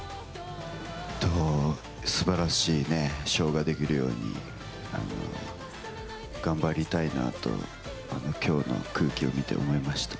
すばらしいショーができるように、頑張りたいなと、きょうの空気を見て思いました。